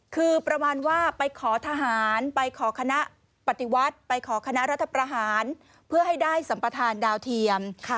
คือประมาณว่าไปขอทหารไปขอคณะปฏิวัติไปขอคณะรัฐประหารเพื่อให้ได้สัมประธานดาวเทียม